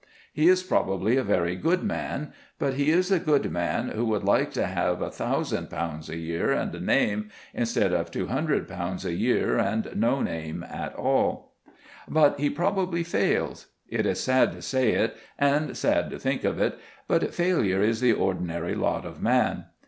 He is probably a very good man; but he is a good man who would like to have 1,000_l._ a year and a name, instead of 200_l._ a year and no name at all. But he probably fails. It is sad to say it, and sad to think of it, but failure is the ordinary lot of man.